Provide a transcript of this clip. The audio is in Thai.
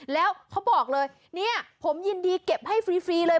แล้วเขาบอกเลยเนี่ยผมยินดีเก็บให้ฟรีเลย